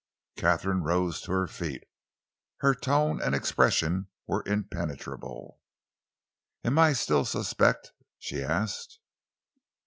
Katharine rose to her feet. Her tone and expression were impenetrable. "Am I still suspect?" she asked.